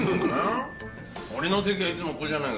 俺の席はいつもここじゃないかよ。